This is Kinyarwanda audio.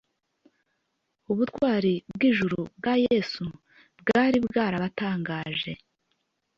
Ubutwari bw'ijuru bwa Yesu, bwari bwarabatangaje,